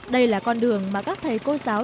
đây là con đường mà các thầy cô giáo